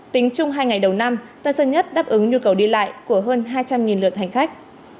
tính chung hai ngày đầu năm tân sơn nhất đáp ứng nhu cầu đi lại của hơn hai trăm linh lượt hành khách